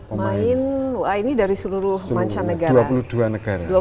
empat puluh empat pemain ini dari seluruh mancanegara